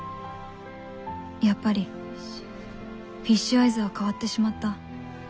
やっぱりフィッシュアイズは変わってしまった。